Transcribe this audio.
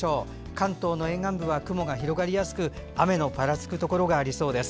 関東の沿岸部は雲が広がりやすく雨のぱらつくところがありそうです。